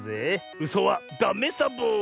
うそはダメサボ！